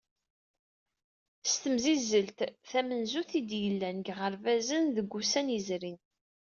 S temsizzelt tamenzut i d-yellan deg yiɣerbazen deg wussan yezrin.